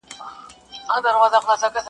هسي نه زړه مي د هیلو مقبره سي,